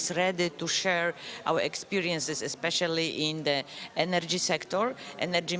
siap untuk berbagi pengalaman kami terutama di sektor energi